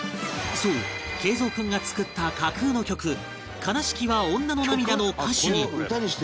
そう桂三君が作った架空の曲『哀しきは女の涙』の歌詞に